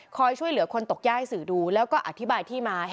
ช่วยเหลือคนตกย่าให้สื่อดูแล้วก็อธิบายที่มา